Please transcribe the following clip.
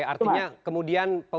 artinya kemudian penggunaan media